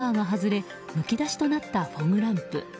カバーが外れむき出しとなったフォグランプ。